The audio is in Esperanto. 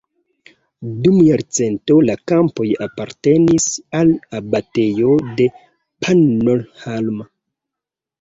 Dum jarcento la kampoj apartenis al abatejo de Pannonhalma.